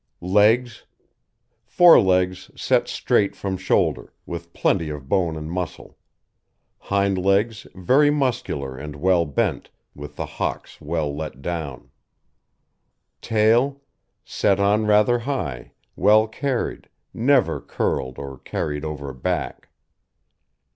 LEGS Fore legs set straight from shoulder, with plenty of bone and muscle. Hind legs very muscular and well bent, with the hocks well let down. TAIL Set on rather high, well carried, never curled or carried over back.